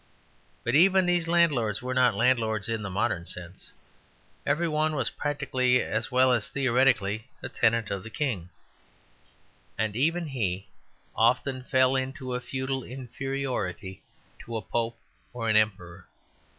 But even these landlords were not landlords in the modern sense; every one was practically as well as theoretically a tenant of the King; and even he often fell into a feudal inferiority to a Pope or an Emperor.